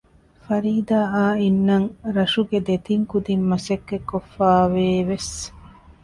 ފަރީދާއާ އިންނަން ރަށުގެ ދެތިން ކުދިން މަސައްކަތް ކޮށްފައިވޭ ވެސް